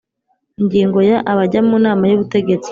Ingingo ya Abajya mu Nama y Ubutegetsi